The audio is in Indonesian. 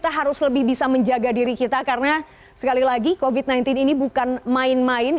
kita harus lebih bisa menjaga diri kita karena sekali lagi covid sembilan belas ini bukan main main